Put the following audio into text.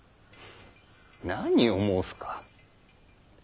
何を申すか。